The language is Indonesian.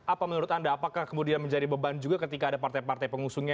apa menurut anda apakah kemudian menjadi beban juga ketika ada partai partai pengusungnya